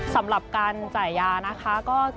สำหรับการจ่ายยานะคะ